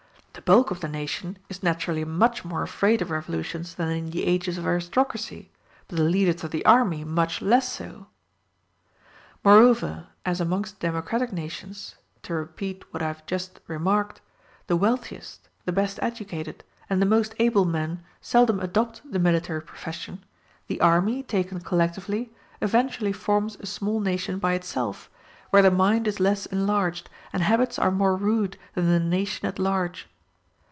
The bulk of the nation is naturally much more afraid of revolutions than in the ages of aristocracy, but the leaders of the army much less so. Moreover, as amongst democratic nations (to repeat what I have just remarked) the wealthiest, the best educated, and the most able men seldom adopt the military profession, the army, taken collectively, eventually forms a small nation by itself, where the mind is less enlarged, and habits are more rude than in the nation at large.